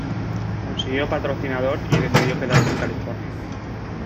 Consiguió patrocinador y decidió quedarse en California.